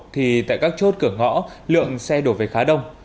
thì tại các chốt cửa ngõ lượng xe đổ về khá đông